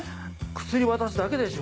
薬渡すだけでしょ。